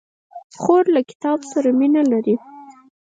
خور له کتاب سره مینه لري.